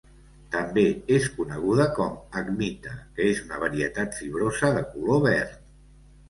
També es coneguda com acmita, que és una varietat fibrosa de color verd.